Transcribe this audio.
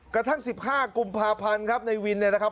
กระทั่ง๑๕กุมภาพันธ์ครับในวินเนี่ยนะครับ